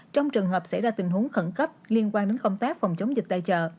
trong trường hợp xảy ra tình huống khẩn cấp liên quan đến công tác phòng chống dịch tại chợ